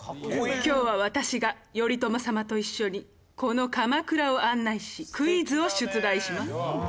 今日は私が頼朝様と一緒にこの鎌倉を案内しクイズを出題します。